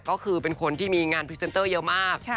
ก็คือเป็นคนที่มีงานพรีเซนเตอร์เยอะมาก